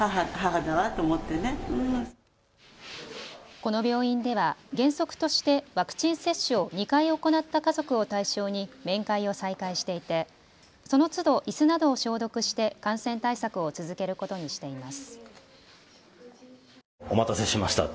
この病院では原則としてワクチン接種を２回行った家族を対象に面会を再開していてそのつど、いすなどを消毒して感染対策を続けることにしています。